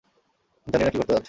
জানি না কি ঘটতে যাচ্ছে।